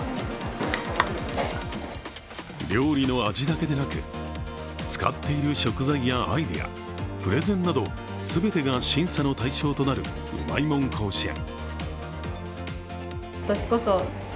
料理の味だけでなく、使っている食材やアイデア、プレゼンなど全てが審査の対象となるうまいもん甲子園。